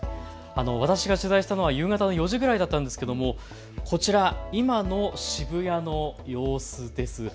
私が取材したのは夕方の４時くらいだったんですけどもこちら今の渋谷の様子です。